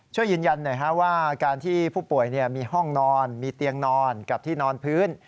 ช่วยยืนยันหน่อยว่าการที่ผู้ป่วยมีห้องนอนมีเตียงนอนกับที่นอนพื้น